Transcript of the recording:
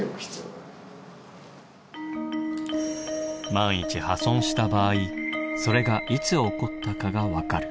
万一破損した場合それがいつ起こったかが分かる。